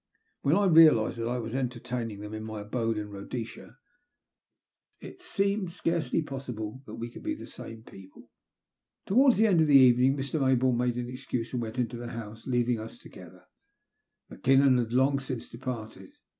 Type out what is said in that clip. When I realized that I was entertaining them in my abode in Bhodesia, it seemed scarcely possible that we CO old be the same people. Towards the end of the evening, Mr. Mayboume made an excuse and went into the house, leaving us together. Mackinnon had long since departed.